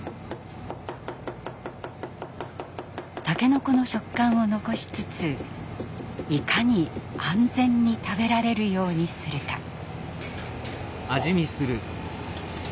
たけのこの食感を残しつついかに安全に食べられるようにするか。